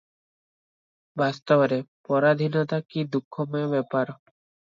ବାସ୍ତବରେ ପରାଧୀନତା କି ଦୁଃଖମୟ ବ୍ୟାପାର ।